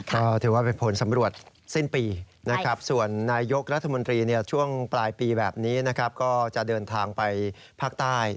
ก็ถือว่าเป็นผลสำรวจสิ้นปีนะครับส่วนนายยกรัฐมนตรีช่วงปลายปีแบบนี้นะครับก็จะเดินทางไปภาคใต้